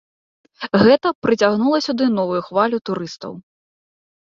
Гэта прыцягнула сюды новую хвалю турыстаў.